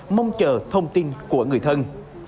mong chờ thông tin của người thân